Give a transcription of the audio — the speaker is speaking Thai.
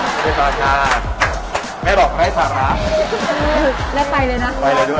สีขาวอันแม่ทำไมมันเป็นสีขาวมันไม่เป็นสีดำนะแม่อืม